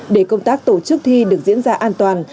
để công tác tổ chức thi được diễn ra an toàn